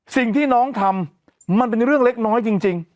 สิ่งที่น้องทำมันเป็นเรื่องเล็กน้อยจริง